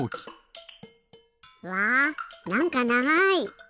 うわなんかながい。